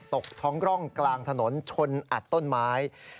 ตกท้องร่องกลางถนนชนอัดต้นไม้